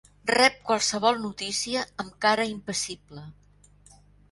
Rep qualsevol notícia amb cara impassible.